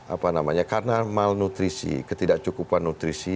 apa namanya karena malnutrisi ketidakcukupan nutrisi